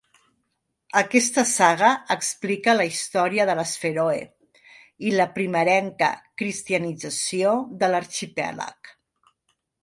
Aquesta saga explica la història de les Fèroe i la primerenca cristianització de l'arxipèlag.